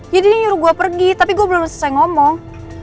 ini nyuruh gue pergi tapi gue belum selesai ngomong